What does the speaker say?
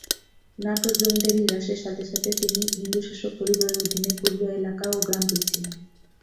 নাটোর জমিদারি হ্রাসের সাথে সাথে তিনি হিন্দু শাসক পরিবারের অধীনে পূর্বে এলাকা ও গ্রাম পেয়েছিলেন।